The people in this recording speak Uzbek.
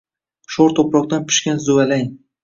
Shoʼr tuproqdan pishgan zuvalang.